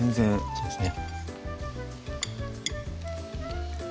そうですね